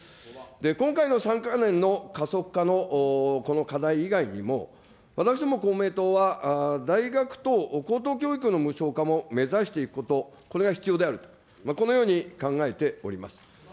今回の３か年の加速化のこの課題以外にも、私ども公明党は大学等、高等教育の無償化も目指していくこと、これが必要であると、このように考えております。